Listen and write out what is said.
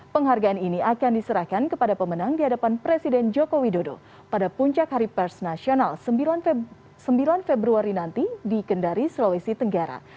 penghargaan ini akan diserahkan kepada pemenang di hadapan presiden joko widodo pada puncak hari pers nasional sembilan februari nanti di kendari sulawesi tenggara